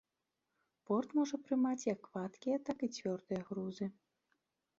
Порт можа прымаць як вадкія, так і цвёрдыя грузы.